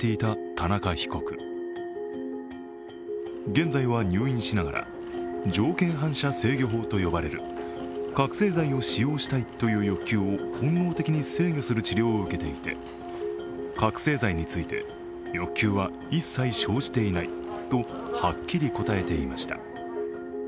現在は入院しながら条件反射制御法と呼ばれる覚醒剤を使用したいという欲求を本能的に制御する治療を受けていて覚醒剤について、欲求は一切生じていないとはっきり答えていました。